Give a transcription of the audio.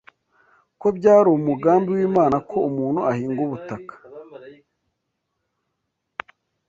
ko byari umugambi w’Imana ko umuntu ahinga ubutaka